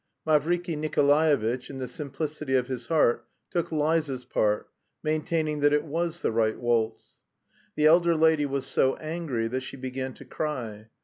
Mavriky Nikolaevitch in the simplicity of his heart took Liza's part, maintaining that it was the right waltz. The elder lady was so angry that she began to cry.